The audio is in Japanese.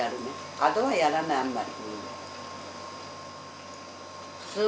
あとはやらないあんまり。